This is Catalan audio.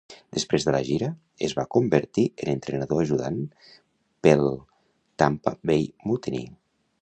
Després de la gira, es va convertir en entrenador ajudant pell Tampa Bay Mutiny.